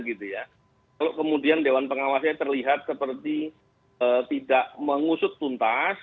kalau kemudian dewan pengawasnya terlihat seperti tidak mengusut tuntas